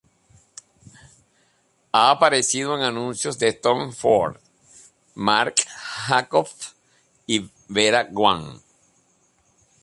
Ha aparecido en anuncios de Tom Ford, Marc Jacobs, y Vera Wang.